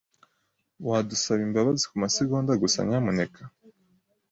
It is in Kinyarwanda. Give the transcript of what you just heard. Wadusaba imbabazi kumasegonda gusa, nyamuneka?